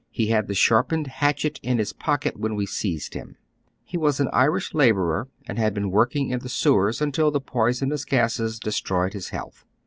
He had the sharpened hatchet in his pocket when we seized him. He was an Irish laborer, and had been working in the sewers until the poisonous gases destroyed his health.